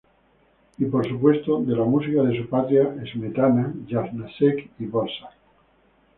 Y por supuesto, de la música de su patria: Smetana, Janáček y Dvořák.